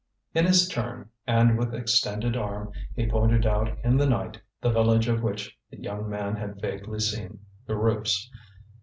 In his turn, and with extended arm, he pointed out in the night the village of which the young man had vaguely seen the roofs.